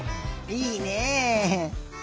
いいねえ。